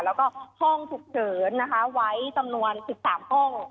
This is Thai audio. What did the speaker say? แล้วก็ห้องฉุกเฉินนะคะไว้จำนวน๑๓ห้อง